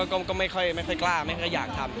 ก็ไม่ค่อยกล้าไม่ค่อยอยากทำ